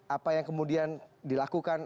apa yang kemudian dilakukan